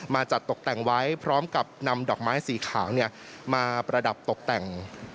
จัดตกแต่งไว้พร้อมกับนำดอกไม้สีขาวมาประดับตกแต่ง